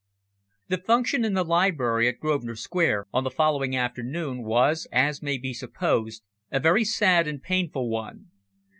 The function in the library at Grosvenor Square on the following afternoon was, as may be supposed, a very sad and painful one.